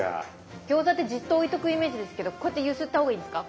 餃子ってじっと置いとくイメージですけどこうやって揺すった方がいいんですか？